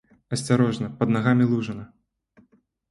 Асцярожна, пад нагамі лужына!